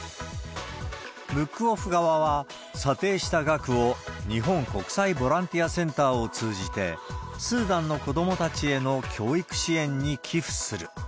ブックオフ側は査定した額を日本国際ボランティアセンターを通じて、スーダンの子どもたちへの教育支援に寄付する。